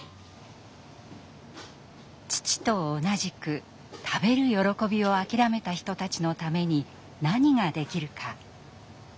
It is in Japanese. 父と同じく食べる喜びを諦めた人たちのために何ができるか。